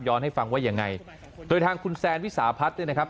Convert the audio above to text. ให้ฟังว่ายังไงโดยทางคุณแซนวิสาพัฒน์เนี่ยนะครับ